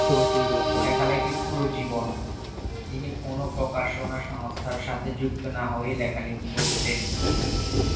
লেখালেখির পুরো জীবন, তিনি কোন প্রকাশনা সংস্থার সাথে যুক্ত না হয়েই লেখালিখি করতেন।